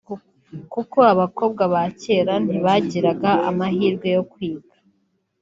kuko abakobwa ba kera ntibagiraga amahirwe yo kwiga